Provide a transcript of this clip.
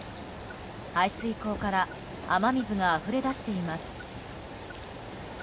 排水溝から雨水があふれ出しています。